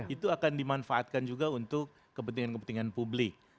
itu akan dimanfaatkan juga untuk kepentingan kepentingan publik